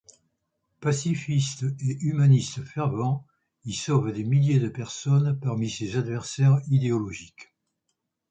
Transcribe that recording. Pacifiste et humaniste fervent, il sauve des milliers de personnes parmi ses adversaires idéologiques.